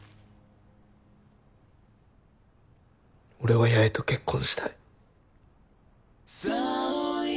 俺は八重と結婚したい。